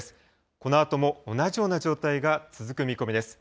このあとも同じような状態が続く見込みです。